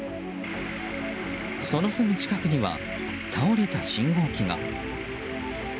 そのすぐ近くには倒れた信号機が。